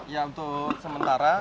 ya untuk sementara